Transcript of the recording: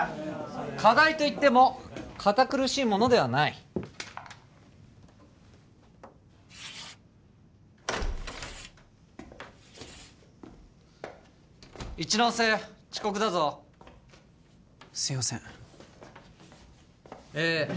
課題といっても堅苦しいものではない一ノ瀬遅刻だぞすいませんえっ